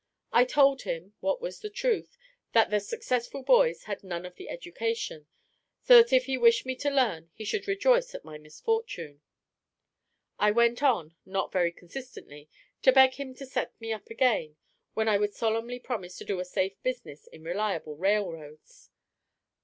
I told him (what was the truth) that the successful boys had none of the education; so that if he wished me to learn, he should rejoice at my misfortune. I went on (not very consistently) to beg him to set me up again, when I would solemnly promise to do a safe business in reliable railroads.